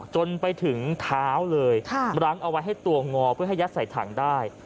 จนไปถึงเท้าเลยรั้งเอาไว้ให้ตัวงอเพื่อให้ยัดใส่ถังได้